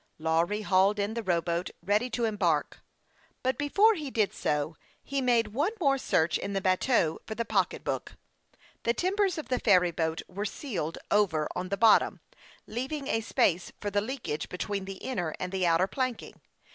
Lawry hauled in the row boat, ready to embark ; but, before he did so, he made one more search in the bateau for the pocketbook. The timbers of the ferry boat were ceiled over on the bottom, leaving a space for the leakage between the inner and the outer planking.